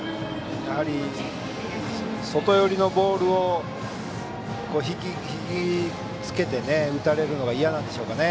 やはり、外寄りのボールを引き付けて打たれるのが嫌なんでしょうかね。